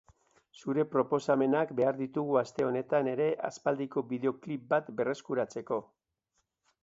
Zure proposamenak behar ditugu aste honetan ere aspaldiko bideoklip bat berreskuratzeko.